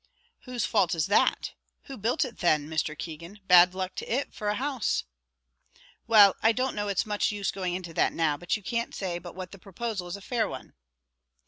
"Whose fault is that who built it then, Mr. Keegan? bad luck to it for a house!" "Well, I don't know it's much use going into that now; but you can't say but what the proposal is a fair one."